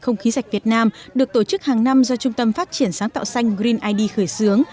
không khí sạch việt nam được tổ chức hàng năm do trung tâm phát triển sáng tạo xanh green id khởi xướng